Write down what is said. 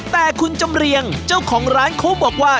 แต่คุณจำเรียงเจ้าของร้านเขาบอกว่า